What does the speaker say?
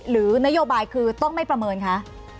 หรือนโยบายคือต้องไม่ประเมินคะ